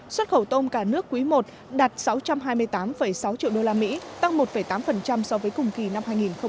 xuất khẩu tôm cả nước quý i đạt sáu trăm hai mươi tám sáu triệu đô la mỹ tăng một tám so với cùng kỳ năm hai nghìn một mươi chín